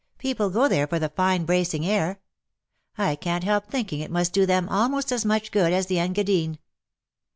People go there for the fine bracing air. I can^t help thinking it must do them almost as much good as the Engadine."